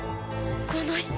この人